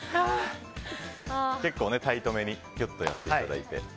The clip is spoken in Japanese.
結構タイトめにギュッとやっていただいて。